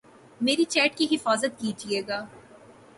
میری چیٹ کی حفاظت کیجئے گا